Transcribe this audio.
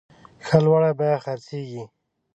ښه لوړه بیه خرڅیږي.